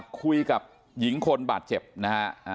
คุยกับหญิงคนบาดเจ็บนะฮะ